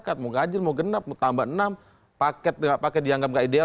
nanti hasil dari proses yang ada